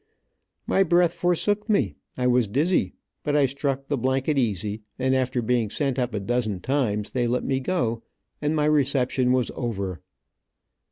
My breath forsook me, I was dizzy, but I struck the blanket easy, and after being sent up a dozen times they let me go, and my reception was over.